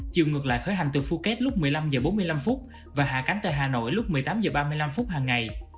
chiều ngược lại khởi hành từ phuket lúc một mươi năm h bốn mươi năm và hạ cánh tại hà nội lúc một mươi tám h ba mươi năm hàng ngày